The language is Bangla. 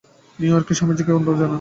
নিউ ইয়র্কে স্বামীজীকে আমন্ত্রণ জানান।